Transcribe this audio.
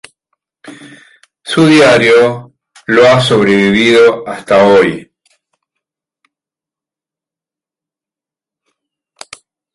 Su diario lo ha sobrevivido hasta hoy.